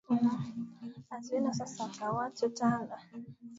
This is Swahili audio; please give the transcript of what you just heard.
ni kuifwata pole pole mpaka itakapofika mahali pa salama